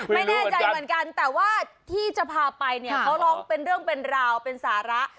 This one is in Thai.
ไม่แน่ใจเหมือนกันแต่ว่าที่จะพาไปเนี่ยเขาร้องเป็นเรื่องเป็นราวเป็นสาระ